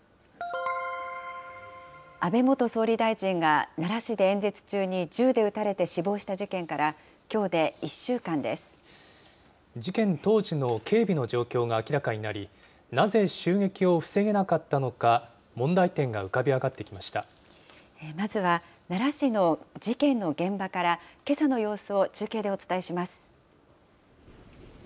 安倍元総理大臣が奈良市で演説中に銃で撃たれて死亡した事件から、事件当時の警備の状況が明らかになり、なぜ襲撃を防げなかったのか、問題点が浮かび上がってまずは奈良市の事件の現場から、けさの様子を中継でお伝えします。